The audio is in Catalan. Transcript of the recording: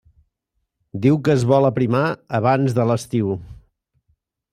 Diu que es vol aprimar abans de l'estiu.